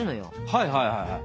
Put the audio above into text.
はいはいはいはい。